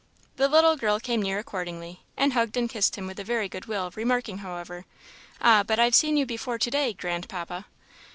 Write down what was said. The little girl came near accordingly, and hugged and kissed him with a very good will, remarking, however, "Ah, but I've seen you before to day, Grandpapa!"